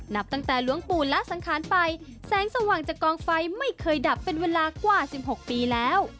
นับตั้งแต่หลวงปู่ละสังขารไปแสงสว่างจากกองไฟไม่เคยดับเป็นเวลากว่า๑๖ปีแล้ว